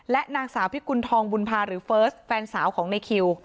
นางสาวพิกุณฑองบุญภาหรือเฟิร์สแฟนสาวของในคิว